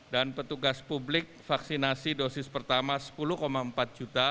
dan petugas publik vaksinasi dosis pertama sepuluh empat juta